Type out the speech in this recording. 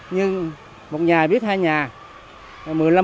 nhưng một nhà biết hai nhà